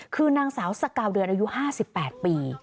คือนางสาวสกาวเดือนอายุ๕๘ปี